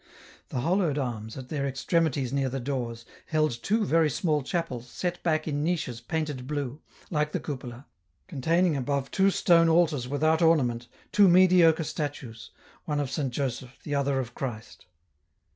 The hollowed arms, at their extremities near the doors, held two very small chapels set back in niches painted blue, like the cupola, containing above two stone altars without ornament, two mediocre statues, one of Saint Joseph, the other of Christ.